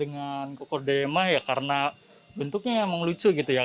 dengan kokedama ya karena bentuknya memang lucu gitu ya